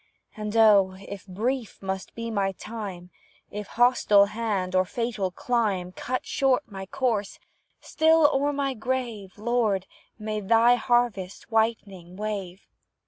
And, oh! if brief must be my time, If hostile hand or fatal clime Cut short my course still o'er my grave, Lord, may thy harvest whitening wave.